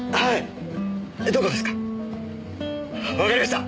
わかりました。